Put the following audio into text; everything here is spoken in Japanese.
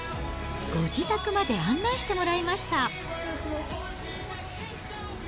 ご自宅まで案内してもらいました。